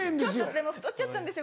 でも太っちゃったんですよ